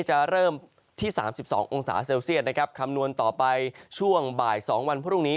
จะเริ่มที่๓๒องศาเซลเซียตนะครับคำนวณต่อไปช่วงบ่าย๒วันพรุ่งนี้